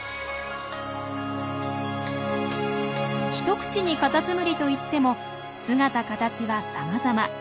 一口にカタツムリといっても姿かたちはさまざま。